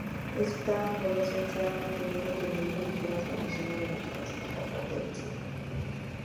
Esta población se ha mantenido, teniendo ligeras variaciones, durante la segunda parte del siglo.